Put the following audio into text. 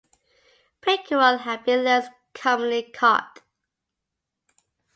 Pickerel have been less commonly caught.